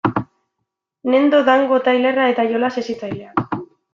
Nendo Dango tailerra eta jolas hezitzaileak.